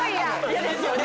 嫌ですよね。